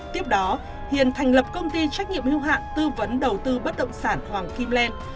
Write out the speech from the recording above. tiếp đó hiền thành lập công ty trách nhiệm hưu hạn tư vấn đầu tư bất động sản hoàng kim len